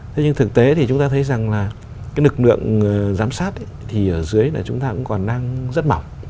thế nhưng thực tế thì chúng ta thấy rằng là cái lực lượng giám sát thì ở dưới là chúng ta cũng còn đang rất mỏng